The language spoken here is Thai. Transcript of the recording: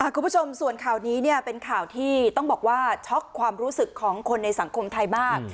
คุณผู้ชมส่วนข่าวนี้เป็นข่าวที่ต้องบอกว่าช็อกความรู้สึกของคนในสังคมไทยมาก